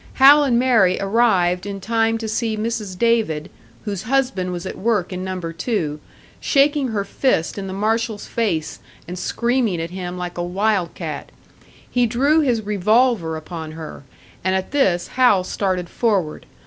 Hal and Mary arrived in time to see Mrs. David, whose husband was at work in Number Two, shaking her fist in the marshal's face and screaming at him like a wild cat. He drew his revolver upon her; and at this Hal started forward.